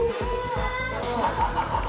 ハハハハハ！